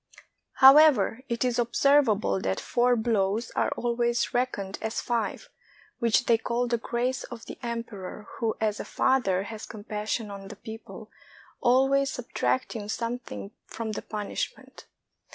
However, it is observable that four blows are always reckoned as five, which they call the grace of the emperor, who as a father has compassion on the people, always subtracting something from the punishment.